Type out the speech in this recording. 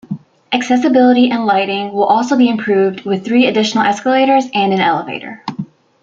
Accessibility and lighting will also be improved with three additional escalators and an elevator.